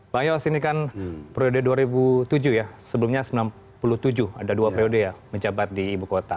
bang yos ini kan periode dua ribu tujuh ya sebelumnya sembilan puluh tujuh ada dua periode ya menjabat di ibu kota